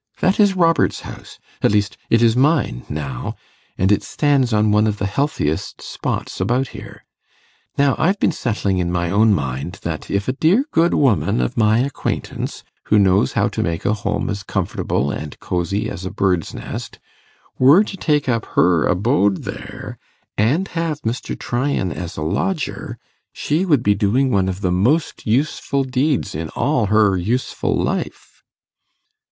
That is Robert's house; at least, it is mine now, and it stands on one of the healthiest spots about here. Now, I've been settling in my own mind, that if a dear good woman of my acquaintance, who knows how to make a home as comfortable and cosy as a bird's nest, were to take up her abode there, and have Mr. Tryan as a lodger, she would be doing one of the most useful deeds in all her useful life.